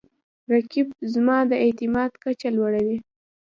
رقیب زما د اعتماد کچه لوړوي